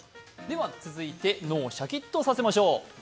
続いて脳をシャキッとさせましょう。